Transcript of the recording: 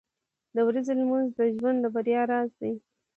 • د ورځې لمونځ د ژوند د بریا راز دی.